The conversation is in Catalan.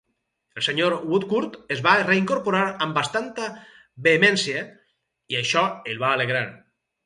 El senyor Woodcourt es va reincorporar amb bastanta vehemència i això el va alegrar.